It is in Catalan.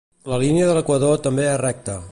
La línia de l'equador també és recta.